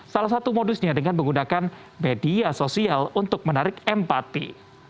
salah satu modusnya dengan menggunakan media sosial untuk menarik empati